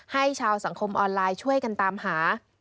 ให้ชาวสังคมออนไลน์ช่วยกันตามหา